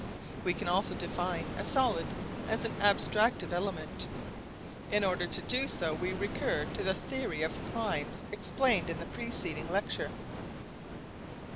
We can also define a solid as an abstractive element. In order to do so we recur to the theory of primes explained in the preceding lecture.